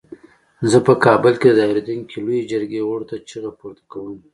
زه په کابل کې د دایریدونکې لویې جرګې غړو ته چیغه پورته کوم.